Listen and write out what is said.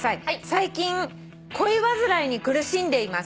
最近恋煩いに苦しんでいます」